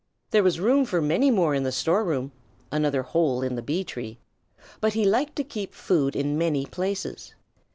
There was room for many more in the storeroom (another hole in the Bee tree), but he liked to keep food in many places.